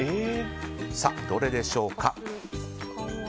さあ、どれでしょうか。